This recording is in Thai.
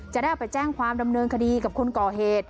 จะได้เอาไปแจ้งความดำเนินคดีกับคนก่อเหตุ